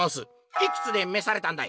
「いくつでめされたんだい？」。